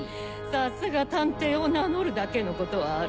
さすが探偵を名乗るだけのことはある。